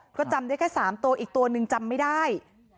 ก็จำได้แค่๓ตัวอีกตัวนึงจำไม่ได้